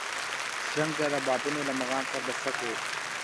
شرنګ د ربابونو له مغان سره به څه کوو .